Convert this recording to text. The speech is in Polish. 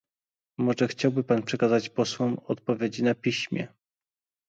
Może chciałby pan przekazać posłom odpowiedzi na piśmie